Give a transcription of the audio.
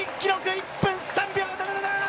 １分３秒７７！